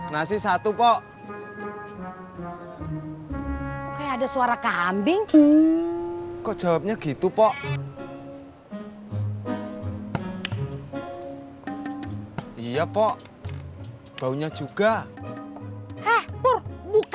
masa ini disekoph lonely